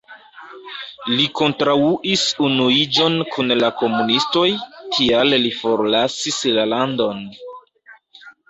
Li kontraŭis unuiĝon kun la komunistoj, tial li forlasis la landon.